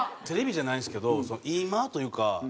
テレビじゃないんですけどいい間というか。